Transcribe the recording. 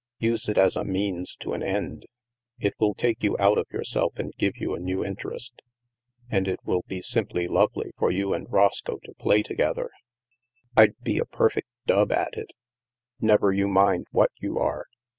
Use it as a means to an end. It will take you out of yourself and give you a new interest. And it will be simply lovely for you and Roscoe to play to gether." '' I'd be a perfect dub at it." " Never you mind what you are.